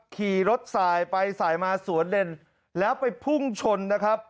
ขี่รถสายไปสายมาสวนเลนแล้วไปพุ่งชนนะครับ